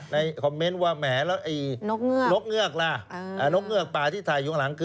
นกเงือกล่ะนกเงือกป่าที่ถ่ายอยู่ข้างหลัง